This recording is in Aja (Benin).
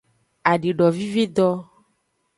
Adidovivido.